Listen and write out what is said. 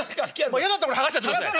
嫌だったら剥がしちゃってください。